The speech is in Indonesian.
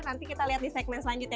nanti kita lihat di segmen selanjutnya